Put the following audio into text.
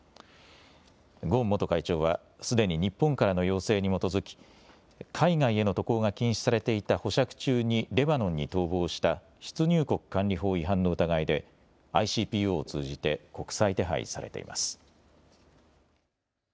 ゴーン元会長はすでに日本からの要請に基づき海外への渡航が禁止されていた保釈中にレバノンに逃亡した出入国管理法違反の疑いでＩＣＰＯを通じて国際手配されています。